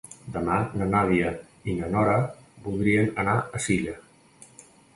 Demà na Nàdia i na Nora voldrien anar a Silla.